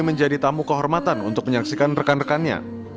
menjadi tamu kehormatan untuk menyaksikan rekan rekannya